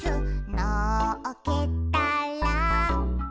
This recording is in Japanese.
「のっけたら」